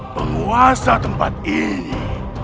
penguasa tempat ini